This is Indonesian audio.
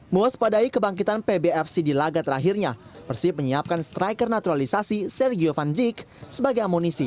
muas padai kebangkitan pbfc di laga terakhirnya persib menyiapkan striker naturalisasi sergio van dijk sebagai amunisi